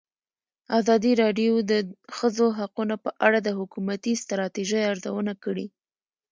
ازادي راډیو د د ښځو حقونه په اړه د حکومتي ستراتیژۍ ارزونه کړې.